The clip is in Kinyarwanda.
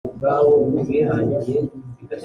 Ngo tubarure mo abiri